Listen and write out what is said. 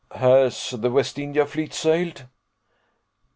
"Has the West India fleet sailed?"